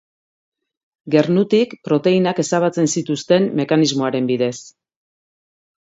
Gernutik proteinak ezabatzen zituzten mekanismoaren bidez.